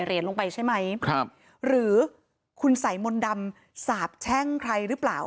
เหรียญลงไปใช่ไหมครับหรือคุณสายมนต์ดำสาบแช่งใครหรือเปล่า